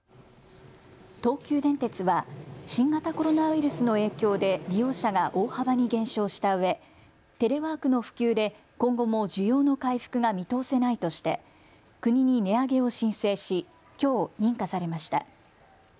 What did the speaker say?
東急電鉄は新型コロナウイルスの影響で利用者が大幅に減少したうえテレワークの普及で今後も需要の回復が見通せないとして国に値上げを申請しきょう認可されました。